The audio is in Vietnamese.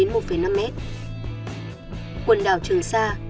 quần đảo trường sa